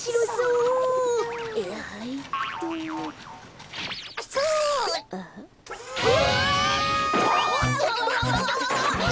うわ！